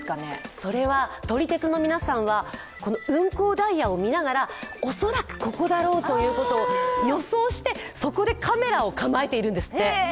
それは撮り鉄の皆さんは運行ダイヤを見ながら恐らくここだろうということを予想して、そこでカメラを構えているんですって。